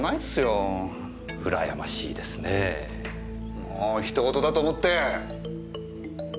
もう他人事だと思って！